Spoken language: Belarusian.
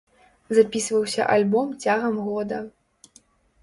Запісваўся альбом цягам года.